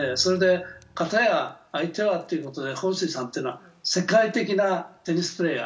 片や相手はということで、彭帥さんは世界的なテニスプレーヤー。